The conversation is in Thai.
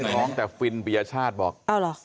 ร้องแต่ฟิลปริญญาชาติบอก